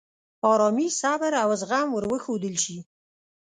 آرامي، صبر، او زغم ور وښودل شي.